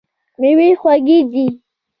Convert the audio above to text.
میوې خوږې دي.